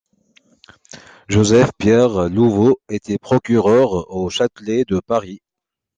Joseph-Pierre Louveau était procureur au Châtelet de Paris.